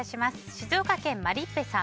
静岡県の方。